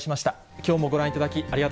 きょうもご覧いただき、ありがと